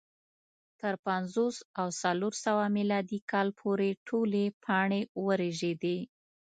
تر پنځوس او څلور سوه میلادي کاله پورې ټولې پاڼې ورژېدې